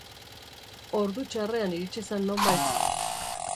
Ordu txarrean iritsi zen nonbait.